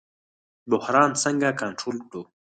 بحران څنګه کنټرول کړو؟